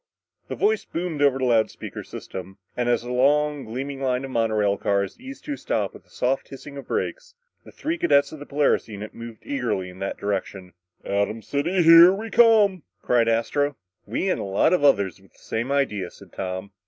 The voice boomed over the loud speaker system; and as the long, gleaming line of monorail cars eased to a stop with a soft hissing of brakes, the three cadets of the Polaris unit moved eagerly in that direction. "Atom City, here we come," cried Astro. "We and a lot of others with the same idea," said Tom.